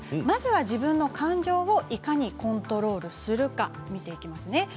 まずは自分の感情をいかにコントロールするか見ていきますね。